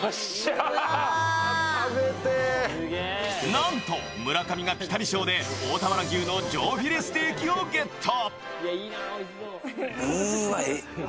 なんと村上がピタリ賞で大田原牛の上フィレステーキをゲット。